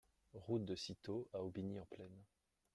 Route de Citeaux à Aubigny-en-Plaine